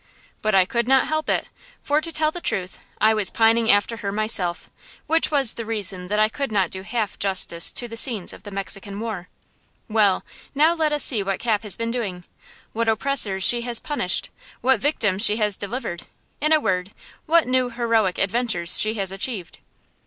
But I could not help it, for, to tell the truth, I was pining after her myself, which was the reason that I could not do half justice to the scenes of the Mexican War. Well, now let us see what Cap has been doing–what oppressors she has punished–what victims she has delivered–in a word, what new heroic adventures she has achieved.